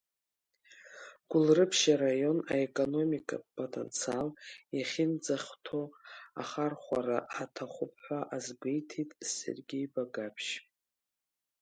Гулрыԥшь араион аекономикатә потенциал иахьынӡахәҭо ахархәара аҭахуп ҳәа азгәеиҭеит Сергеи Багаԥшь.